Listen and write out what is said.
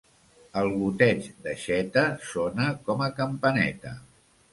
El goteig d'aixeta sona com a campaneta.